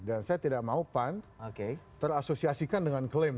dan saya tidak mau pan terasosiasikan dengan klaim